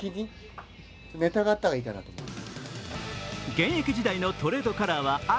現役時代のトレードカラーは赤。